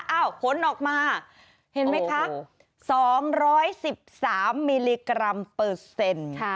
ผลออกมาเห็นไหมคะ๒๑๓มิลลิกรัมเปอร์เซ็นต์